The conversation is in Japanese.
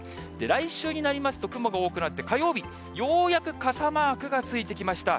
来週になりますと、雲が多くなって、火曜日、ようやく傘マークがついてきました。